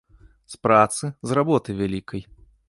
З працы, з работы вялікай.